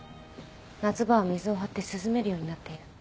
夏場は水をはって涼めるようになっている。